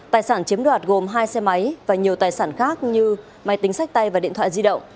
tài sản chiếm đoạt gồm hai xe máy và nhiều tài sản khác như máy tính sách tay và điện thoại di động